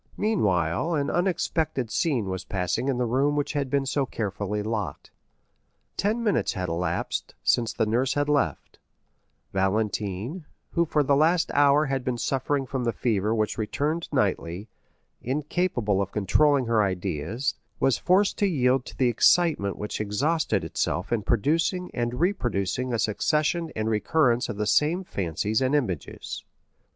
Meanwhile an unexpected scene was passing in the room which had been so carefully locked. Ten minutes had elapsed since the nurse had left; Valentine, who for the last hour had been suffering from the fever which returned nightly, incapable of controlling her ideas, was forced to yield to the excitement which exhausted itself in producing and reproducing a succession and recurrence of the same fancies and images.